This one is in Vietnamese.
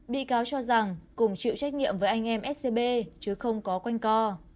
bị cáo cho rằng cùng chịu trách nhiệm với anh em scb chứ không có quanh co